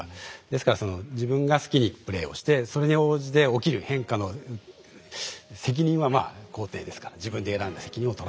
ですから自分が好きにプレイをしてそれに応じて起きる変化の責任はまあ皇帝ですから自分で選んだ責任を取らなきゃいけない。